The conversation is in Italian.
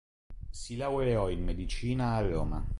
Si laureò in medicina a Roma.